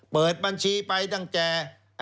เปิดบัญชีไปตั้งแต่